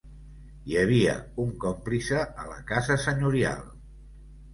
Hi havia un còmplice a la casa senyorial.